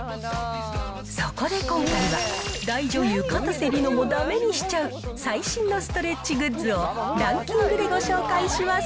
そこで今回は、大女優、かたせ梨乃もだめにしちゃう最新のストレッチグッズをランキングでご紹介します。